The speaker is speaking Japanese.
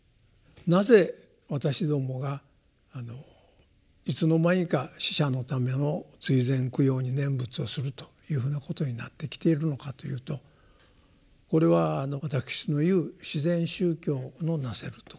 なぜ私どもがいつの間にか死者のための追善供養に念仏をするというふうなことになってきているのかというとこれは私の言う自然宗教のなせるところですね。